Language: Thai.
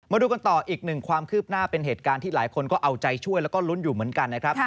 มาดูกันต่ออีกหนึ่งความคืบหน้าเป็นเหตุการณ์ที่หลายคนก็เอาใจช่วยแล้วก็ลุ้นอยู่เหมือนกันนะครับ